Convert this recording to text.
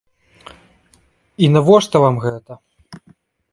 І навошта вам гэта?!